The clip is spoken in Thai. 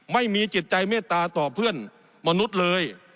ไม่มีจิตใจเมตตาต่อเพื่อนมนุษย์เลย